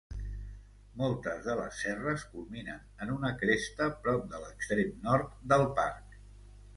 Moltes de les serres culminen en una cresta prop de l'extrem nord del parc.